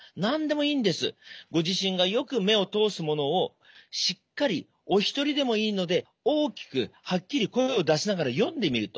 ご自身がよく目を通すものをしっかりお一人でもいいので大きくはっきり声を出しながら読んでみると。